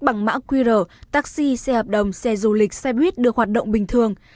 bằng mã qr taxi xe hợp đồng xe du lịch xe buýt được hoạt động bình thường